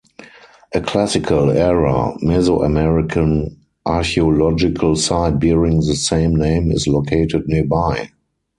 A classical era Mesoamerican archeological site bearing the same name is located nearby.